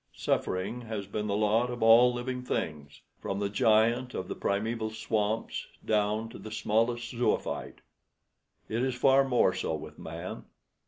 Suffering has been the lot of all living things, from the giant of the primeval swamps down to the smallest zoophyte. It is far more so with man.